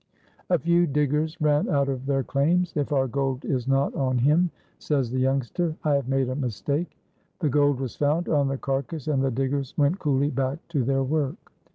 A few diggers ran out of their claims. "If our gold is not on him," says the youngster, "I have made a mistake." The gold was found on the carcass, and the diggers went coolly back to their work.